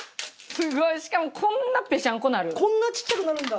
しかもこんなぺしゃんこなる。